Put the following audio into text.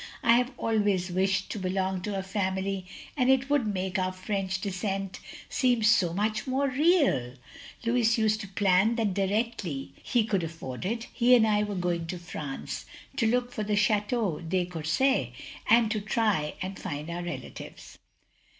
I have always wished to belong to a family and it would make our French descent seem so much more real. Louis used to plan that directly he could afford it, he and I were going to France, to look for the Ch3.teau de Courset, and to try and find our relatives."